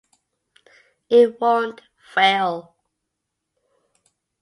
It won't fail.